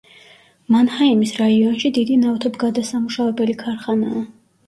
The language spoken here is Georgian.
მანჰაიმის რაიონში დიდი ნავთობგადასამუშავებელი ქარხანაა.